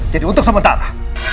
jadi untuk sementara